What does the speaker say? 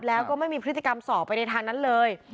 แล้วก็ไม่มีพฤติกรรมสอบไปในทางนั้นเลย